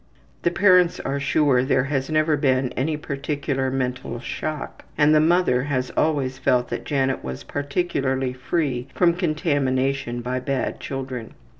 The parents are sure there has never been any particular mental shock, and the mother has always felt that Janet was particularly free from contamination by bad children.